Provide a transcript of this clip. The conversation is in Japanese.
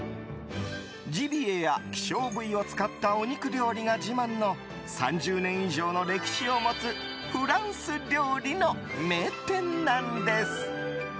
ジビエや希少部位を使ったお肉料理が自慢の３０年以上の歴史を持つフランス料理の名店なんです。